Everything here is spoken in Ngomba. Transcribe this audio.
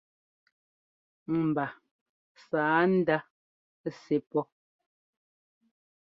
Mba sǎ ndá sɛ́ pɔ́.